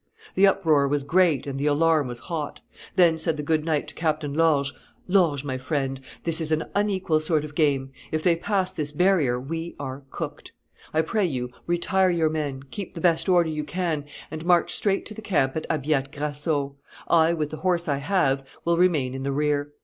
The uproar was great and the alarm was hot. Then said the good knight to Captain Lorges, 'Lorges, my friend, this is an unequal sort of game; if they pass this barrier we are cooked. I pray you, retire your men, keep the best order you can, and march straight to the camp at Abbiate Grasso; I, with the horse I have, will remain in the rear.